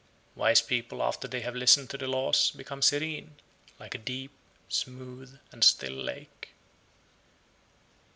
82. Wise people, after they have listened to the laws, become serene, like a deep, smooth, and still lake.